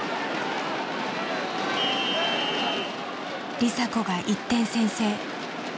梨紗子が１点先制。